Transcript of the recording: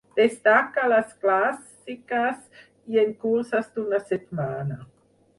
Destaca a les clàssiques i en curses d'una setmana.